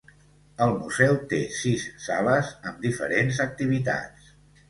El museu té sis sales amb diferents activitats.